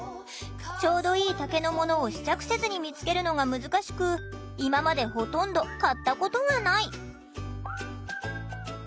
ちょうどいい丈のものを試着せずに見つけるのが難しく今までほとんど買ったことがない。